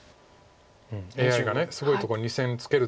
ＡＩがすごいとこ２線ツケる手を。